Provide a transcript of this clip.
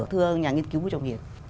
thưa nhà nghiên cứu vũ trọng hiền